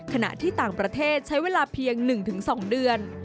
ขณะที่ต่างประเทศใช้เวลาเพียง๑๒เดือน